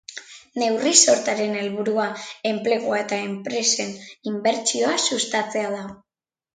Neurri-sortaren helburua enplegua eta enpresen inbertsioa sustatzea da.